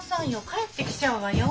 帰ってきちゃうわよ。